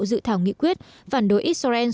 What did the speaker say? sự thảo nghị quyết phản đối israel